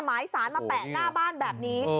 หมายสารมาแปะหน้าบ้านแบบนี้